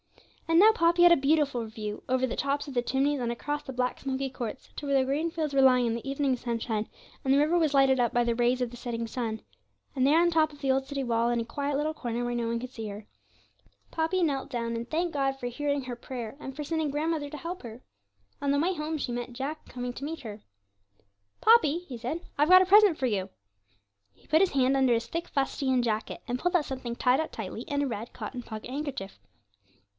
And now Poppy had a beautiful view, over the tops of the chimneys, and across the black smoky courts, to where the green fields were lying in the evening sunshine, and the river was lighted up by the rays of the setting sun. And there on the top of the old city wall, in a quiet little corner where no one could see her, Poppy knelt down, and thanked God for hearing her prayer, and for sending grandmother to help her. On her way home she met Jack coming to meet her. 'Poppy,' he said, 'I've got a present for you.' He put his hand under his thick fustian jacket and pulled out something tied up tightly in a red cotton pocket handkerchief.